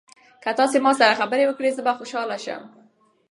که تاسي ما سره خبرې وکړئ زه به خوشاله شم.